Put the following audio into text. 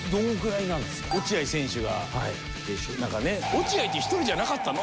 落合って１人じゃなかったの？